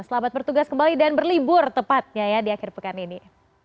selamat bertugas kembali dan berlibur tepatnya ya di akhir pekan ini